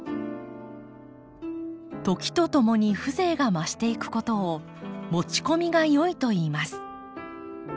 時とともに風情が増していくことを「持ち込みが良い」といいます。